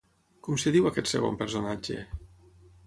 Com es diu aquest segon personatge?